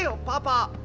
パパ。